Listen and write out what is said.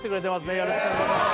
よろしくお願いします